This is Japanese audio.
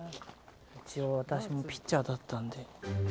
一応私もピッチャーだったんで。